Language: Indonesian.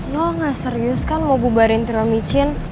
lo nggak serius kan mau bubarin tiramicin